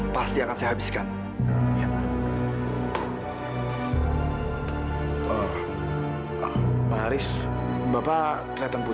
terima kasih ya sayang